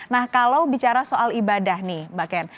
nah kalau bicara soal ibadah nih mbak ken